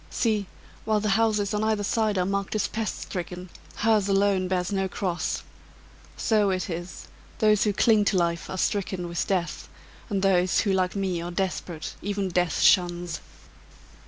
"See! while the houses on either side are marked as pest stricken, hers alone bears no cross. So it is: those who cling to life are stricken with death: and those who, like me, are desperate, even death shuns."